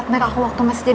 tengok ya sama si si